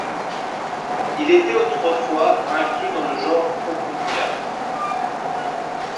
Il était autrefois inclus dans le genre Opuntia.